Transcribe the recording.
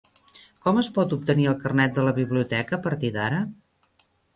Com es pot obtenir el carnet de la biblioteca a partir d'ara?